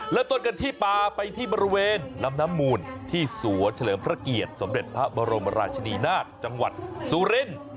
เริ่มต้นกันที่ป่าไปที่บริเวณน้ำน้ำมูลที่สวนเฉลิมพระเกียรติสมเด็จพระบรมราชนีนาฏจังหวัดสุรินทร์